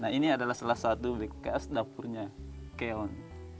nah ini adalah salah satu bekas dapurnya keon